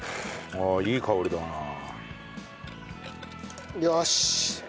ああいい香りだなあ。